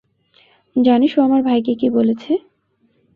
জানিস ও আমার ভাইকে কী বলেছে?